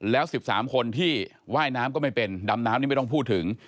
แล้ว๑๓คนที่ว่ายน้ำก็ไม่เป็นดำน้ำนี่ไม่ต้องพูดถึง